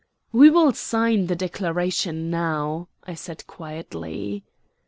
"We will sign the declaration now," I said quietly.